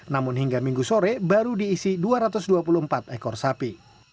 namun hingga minggu sore baru diisi dua ratus dua puluh empat ekor sapi